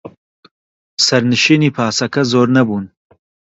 سەرنشینی پاسەکە زۆر نەبوون.